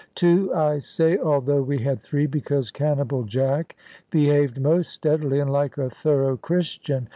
Two, I say, although we had three, because Cannibal Jack behaved most steadily, and like a thorough Christian.